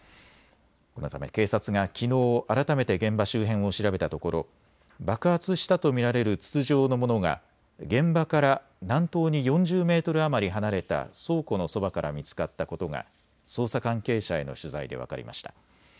このため警察がきのう改めて現場周辺を調べたところ爆発したと見られる筒状のものが現場から南東に４０メートル余り離れた倉庫のそばから見つかったことが捜査関係者への取材で分かりました。